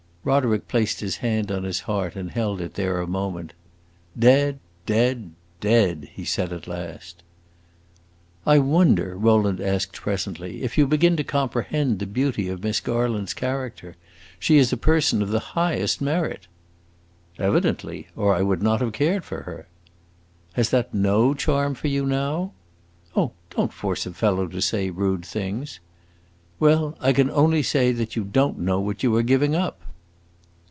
Roderick placed his hand on his heart and held it there a moment. "Dead dead dead!" he said at last. "I wonder," Rowland asked presently, "if you begin to comprehend the beauty of Miss Garland's character. She is a person of the highest merit." "Evidently or I would not have cared for her!" "Has that no charm for you now?" "Oh, don't force a fellow to say rude things!" "Well, I can only say that you don't know what you are giving up."